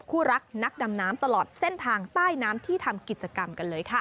คู่รักนักดำน้ำตลอดเส้นทางใต้น้ำที่ทำกิจกรรมกันเลยค่ะ